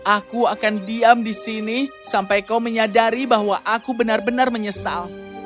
aku akan diam di sini sampai kau menyadari bahwa aku benar benar menyesal